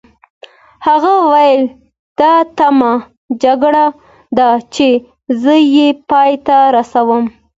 هغه وویل دا اتمه جګړه ده چې زه یې پای ته رسوم.